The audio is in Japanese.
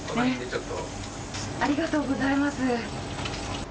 ありがとうございます。